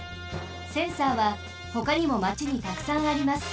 センサーはほかにもマチにたくさんあります。